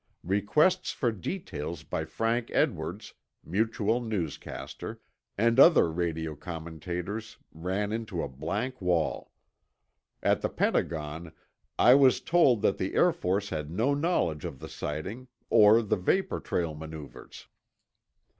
Requests for details by Frank Edwards, Mutual newscaster, and other radio commentators ran into a blank wall. At the Pentagon I was told that the Air Force had no knowledge of the sighting or the vapor trail maneuvers.